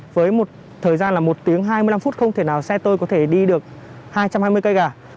với một thời gian là một tiếng hai mươi năm phút không thể nào xe tôi có thể đi được hai trăm hai mươi cây cả